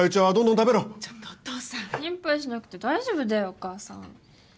心配しなくて大丈夫だよお母さん。